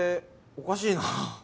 おかしいな。